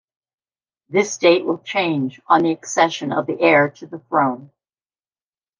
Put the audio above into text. This date will change on the accession of the heir to the throne.